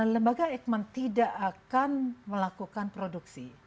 lembaga eijkman tidak akan melakukan produksi